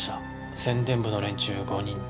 宣伝部の連中５人と。